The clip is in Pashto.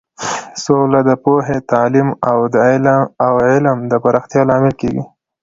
سوله د پوهې، تعلیم او علم د پراختیا لامل کیږي.